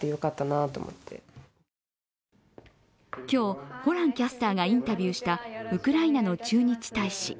今日ホランキャスターがインタビューしたウクライナの駐日大使。